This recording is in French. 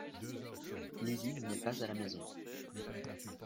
Lizig n'est pas à la maison.